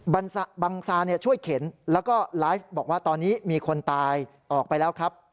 บังซาช่วยเข็นแล้วก็ไลฟ์บอกว่าตอนนี้มีคนตายออกไปแล้วครับ